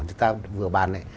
chúng ta vừa bàn